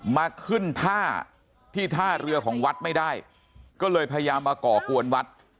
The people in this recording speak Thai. มาขึ้นท่าที่ท่าเรือของวัดไม่ได้ก็เลยพยายามมาก่อกวนวัด